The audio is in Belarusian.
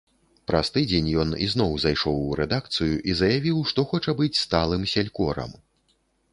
Праз тыдзень ён ізноў зайшоў у рэдакцыю і заявіў, што хоча быць сталым селькорам.